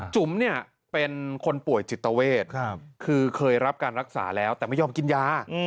จุ๋มเนี่ยเป็นคนป่วยจิตเวทคือเคยรับการรักษาแล้วแต่ไม่ยอมกินยา